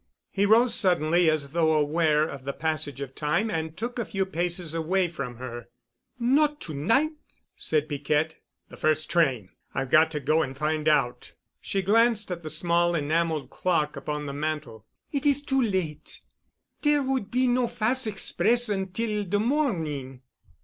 He rose suddenly as though aware of the passage of time and took a few paces away from her. "Not to night?" said Piquette. "The first train. I've got to go and find out." She glanced at the small enameled clock upon the mantel. "It is too late. Dere would be no fas' express until de morning."